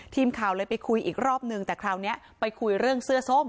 ทีมข่าวเลยไปคุยอีกรอบนึงแต่คราวนี้ไปคุยเรื่องเสื้อส้ม